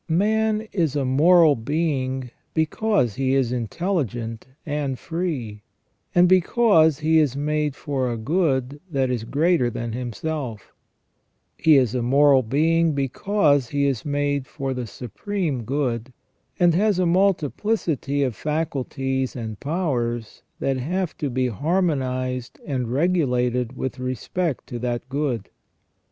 " Man is a moral being because he is intelligent and free, and because he is made for a good that is greater than himself He is a moral being because he is made for the Supreme Good, and has a multiplicity of faculties and powers that have to be har monized and regulated with respect to that good.